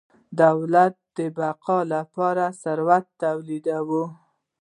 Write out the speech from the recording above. د دولت د بقا لپاره یې ثروت تولیداوه.